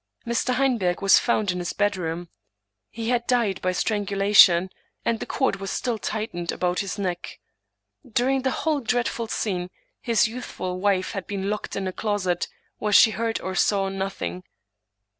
Mr. Heinberg was found in his bed room. He had died by strangulation, and the cord was still tightened about his neck. During the whole dreadful scene his youthful wife had been locked into a closet, where she heard or saw nothing.